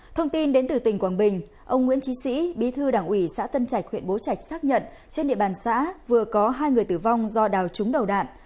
thông tin đến từ tỉnh quảng bình ông nguyễn trí sĩ bí thư đảng ủy xã tân trạch huyện bố trạch xác nhận trên địa bàn xã vừa có hai người tử vong do đào trúng đầu đạn